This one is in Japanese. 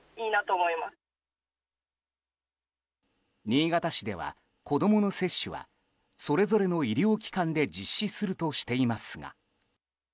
新潟市では、子供の接種はそれぞれの医療機関で実施するとしていますが。